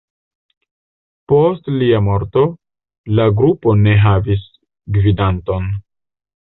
Post lia morto, la grupo ne havis gvidanton.